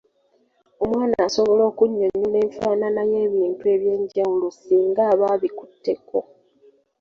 Omwana asobola okunnyonnyola enfaanana y'ebintu eby’enjawulo singa aba abikutteko.